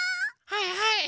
はいはい。